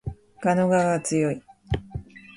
蛾の我が強い